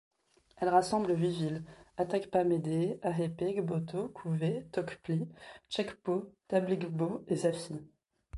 Elle rassemble huit villes, Atakpamédé, Ahépé, Gboto, Kouvé, Tokpli, Tchékpo, Tabligbo et Zafi.